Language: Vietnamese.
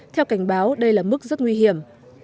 theo cảnh báo đây là mức rất nguy hiểm